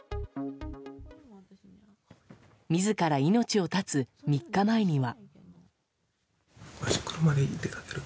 自ら命を絶つ３日前には。